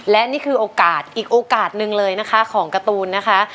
และนี่คือโอกาสอีกโอกาสหนึ่งเลยนะคะของการ์ตูนนะคะ